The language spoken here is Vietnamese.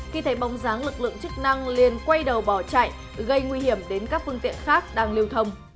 khi thấy bóng dáng lực lượng chức năng liền quay đầu bỏ chạy gây nguy hiểm đến các phương tiện khác đang lưu thông